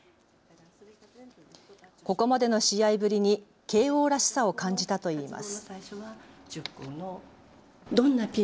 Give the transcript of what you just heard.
ここまでの試合ぶりに慶応らしさを感じたといいます。